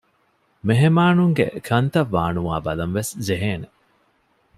މެހެމާނުންގެ ކަންތައް ވާނުވާ ބަލަންވެސް ޖެހޭނެ